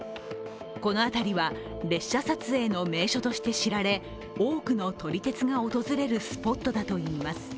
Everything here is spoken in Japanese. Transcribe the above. この辺りは、列車撮影の名所として知られ多くの撮り鉄が訪れるスポットだといいます。